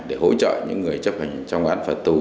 để hỗ trợ những người chấp hành trong án phạt tù